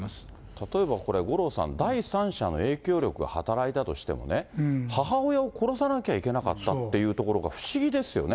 例えばこれ、五郎さん、第三者の影響力が働いたとしても、母親を殺さなきゃいけなかったっていうところが不思議ですよね。